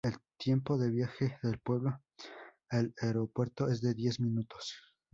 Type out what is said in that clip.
El tiempo de viaje del pueblo al aeropuerto es de diez minutos.